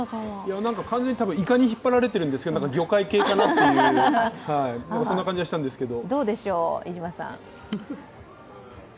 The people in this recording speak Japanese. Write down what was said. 完全にイカに引っ張られているんですけど、魚介系かなとそんな感じがしたんですけれども。